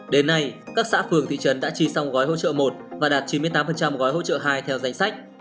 đến nay các xã phường thị trấn đã chi xong gói hỗ trợ một và đạt chín mươi tám gói hỗ trợ hai theo danh sách